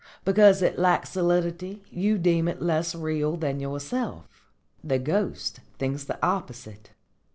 Because it lacks solidity you deem it less real than yourself. The ghost thinks the opposite.